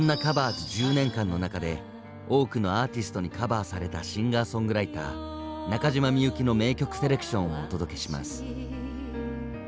１０年間の中で多くのアーティストにカバーされたシンガーソングライター中島みゆきの名曲セレクションをお届けします。